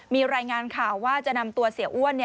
มีรายงานข่าวว่าจะนำตัวเสียอ้วน